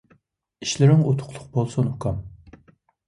ئىشلىرىڭ ئۇتۇقلۇق بولسۇن ئۇكام.